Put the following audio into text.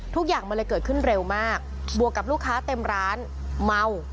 ทุกอย่างมันเลยเกิดขึ้นเร็วมากบวกกับลูกค้าเต็มร้านเมา